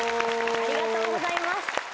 ありがとうございます。